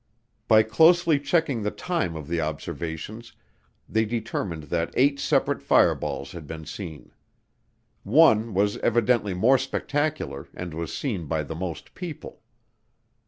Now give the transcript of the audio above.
By closely checking the time of the observations, they determined that eight separate fireballs had been seen. One was evidently more spectacular and was seen by the most people.